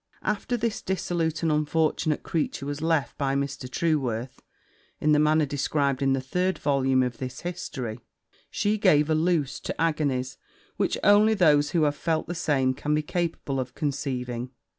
After this dissolute and unfortunate creature was left by Mr. Trueworth, in the manner described in the third volume of this history, she gave a loose to agonies which only those who have felt the same can be capable of conceiving.